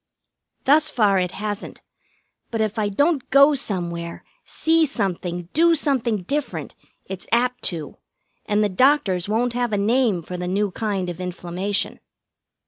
Thus far it hasn't, but if I don't go somewhere, see something, do something different, it's apt to, and the doctors won't have a name for the new kind of inflammation.